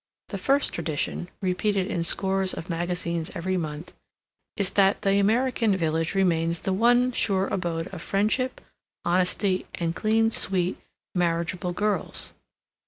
The first tradition, repeated in scores of magazines every month, is that the American village remains the one sure abode of friendship, honesty, and clean sweet marriageable girls.